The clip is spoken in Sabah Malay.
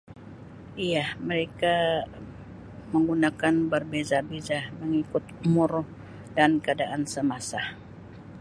Iya, mereka menggunakan berbeza-beza mengikut umur dan keadaan semasa.